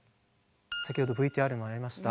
先ほどＶＴＲにもありました